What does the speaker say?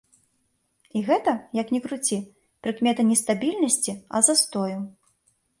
І гэта, як ні круці, прыкмета не стабільнасці, а застою.